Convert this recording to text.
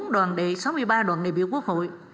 sáu mươi bốn đoàn đệ sáu mươi ba đoàn đệ biểu quốc hội